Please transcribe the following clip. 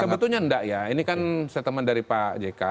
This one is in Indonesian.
sebetulnya enggak ya ini kan statement dari pak jk